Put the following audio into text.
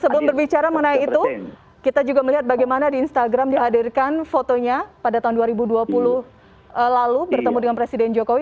sebelum berbicara mengenai itu kita juga melihat bagaimana di instagram dihadirkan fotonya pada tahun dua ribu dua puluh lalu bertemu dengan presiden jokowi